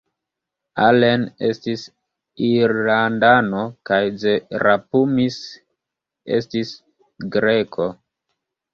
Allen estis Irlandano kaj Zerapumis estis Greko.